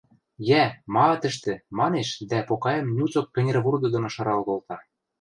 – Йӓ, ма ат ӹштӹ! – манеш дӓ покаэм нюцок кӹнервурды доно шырал колта